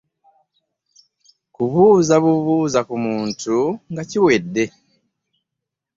Kubuuza bubuuza ku muntu nga kiwedde.